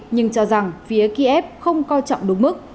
nhưng cho rằng phía kiev không coi trọng đúng mức